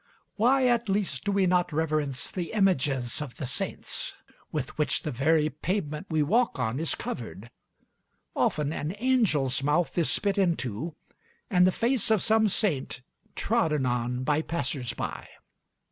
Why at least do we not reverence the images of the saints, with which the very pavement we walk on is covered? Often an angel's mouth is spit into, and the face of some saint trodden on by passers by....